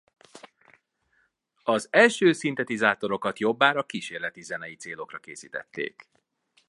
Az első szintetizátorokat jobbára kísérleti zenei célokra készítették.